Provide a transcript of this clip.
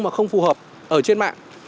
mà không phù hợp ở trên mạng